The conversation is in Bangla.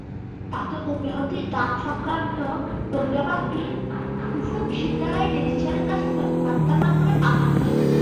তাঁকে অব্যাহতি দানসংক্রান্ত প্রজ্ঞাপনটি দুপুরে বিশ্ববিদ্যালয়ের রেজিস্ট্রারের কাছে ফ্যাক্সবার্তার মাধ্যমে পাঠানো হয়।